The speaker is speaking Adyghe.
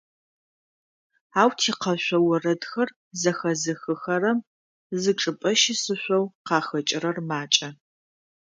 Ау тикъэшъо орэдхэр зэхэзыхыхэрэм зычӏыпӏэ щысышъоу къахэкӏырэр макӏэ.